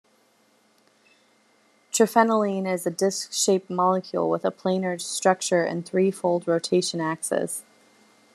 Triphenylene is a disc-shaped molecule with a planar structure and three-fold rotation axes.